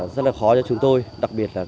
rất là khó cho chúng tôi đặc biệt là